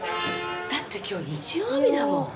だって今日日曜日だもん。